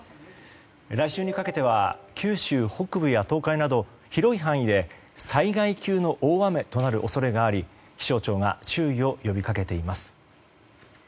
来週にかけては九州北部や東海など広い範囲で災害級の大雨となる恐れがあり気象庁が注意を呼び掛けています。